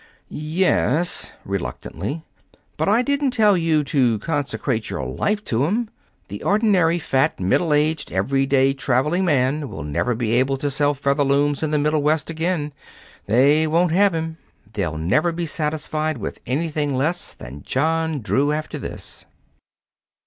"Yes," reluctantly; "but I didn't tell you to consecrate your life to 'em. The ordinary fat, middle aged, every day traveling man will never be able to sell Featherlooms in the Middle West again. They won't have 'em. They'll never be satisfied with anything less than John Drew after this."